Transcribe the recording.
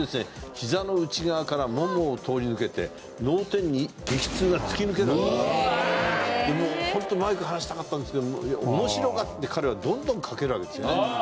ひざの内側からももを通り抜けてホントマイク離したかったんですけども面白がって彼はどんどんかけるわけですね。